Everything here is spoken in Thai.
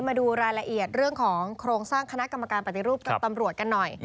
มาดูรายละเอียดเรื่องของโครงสร้างคณะกรรมการปฏิรูปตำรวจกันหน่อย